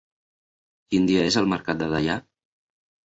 Quin dia és el mercat de Deià?